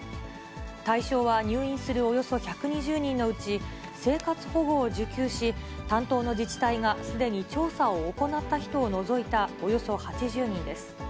対象は入院するおよそ１２０人のうち生活保護を受給し、担当の自治体がすでに調査を行った人を除いたおよそ８０人です。